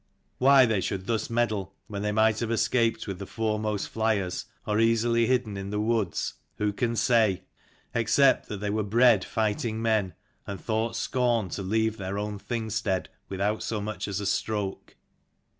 Why they should thus meddle, when they might have escaped with the foremost flyers, or easily hidden in the woods, who can say? except that they were bred fighting men, and thought scorn to leave their own Thing stead without so much as a stroke.